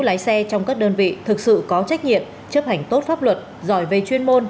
lái xe trong các đơn vị thực sự có trách nhiệm chấp hành tốt pháp luật giỏi về chuyên môn